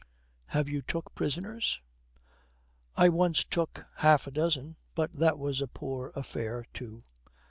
'Have you took prisoners?' 'I once took half a dozen, but that was a poor affair too.'